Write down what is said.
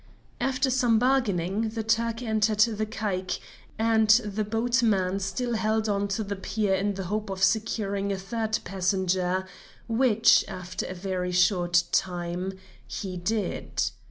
After some bargaining, the Turk entered the caique, and the boatman still held on to the pier in the hope of securing a third passenger, which, after a very short time, he did.